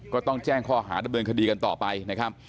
ก็ต้องแจ้งข้ออ่านและเบือนคดีกันต่อไปนะครับ